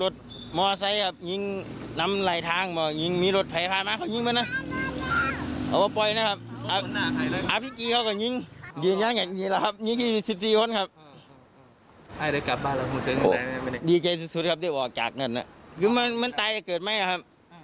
คือดีใจสุดครับที่ออกจากนั้นคือมันตายจะเกิดไหมครับ